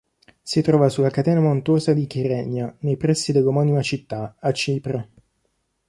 Si trova sulla catena montuosa di Kyrenia, nei pressi dell'omonima città, a Cipro.